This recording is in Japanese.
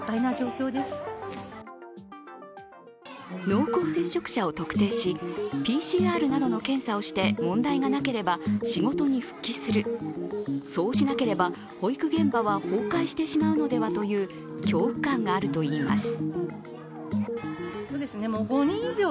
濃厚接触者を特定しＰＣＲなどの検査をして問題がなければ仕事に復帰する、そうしなければ保育現場は崩壊してしまうのではという恐怖感があるといいます。